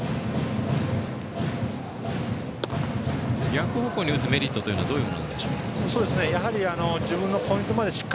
逆方向に打つメリットはどういうものなんでしょう？